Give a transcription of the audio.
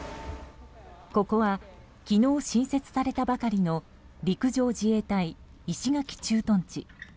ここは昨日新設されたばかりの陸上自衛隊石垣駐屯地。